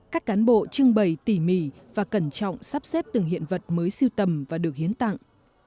các cán bộ trưng bày tỉ mỉ và cẩn trọng sắp xếp từng hiện vật mới siêu tầm và được hiến tặng